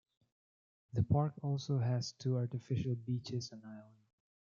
The park also has two artificial beaches on island.